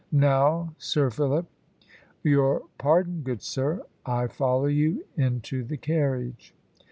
Now, Sir Philip." "Your pardon, good sir; I follow you into the carriage."